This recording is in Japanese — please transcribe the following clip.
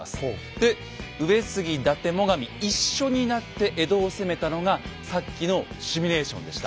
で上杉伊達最上一緒になって江戸を攻めたのがさっきのシミュレーションでした。